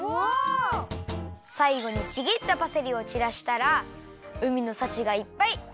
さいごにちぎったパセリをちらしたらうみのさちがいっぱい！